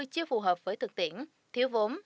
chưa phù hợp với thực tiễn thiếu vốn